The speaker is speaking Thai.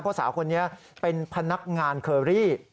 เพราะสาวคนนี้เป็นพนักงานเคอรี่